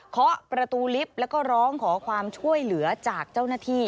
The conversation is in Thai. เคาะประตูลิฟต์แล้วก็ร้องขอความช่วยเหลือจากเจ้าหน้าที่